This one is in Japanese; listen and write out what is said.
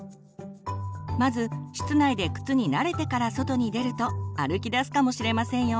まず室内で靴に慣れてから外に出ると歩きだすかもしれませんよ。